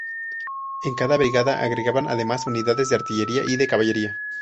En cada brigada agregaban además, unidades de artillería y de caballería.